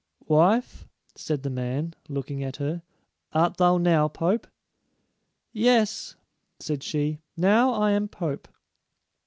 "Wife," said the man, looking at her, "art thou now pope?" "Yes," said she; "now I am pope."